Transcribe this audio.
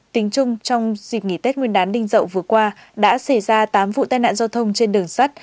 tính chung trong dịp nghỉ tết nguyên đán đinh dậu vừa qua đã xảy ra tám vụ tai nạn giao thông trên đường sắt